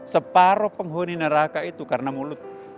separuh penghuni neraka itu karena mulut